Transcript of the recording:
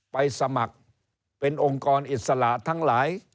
ไปสมัครเป็นองค์กรอิสระทั้งหลาย